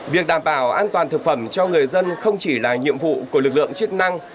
việc đảm bảo an toàn thực phẩm cho người dân không chỉ là nhiệm vụ của lực lượng chức năng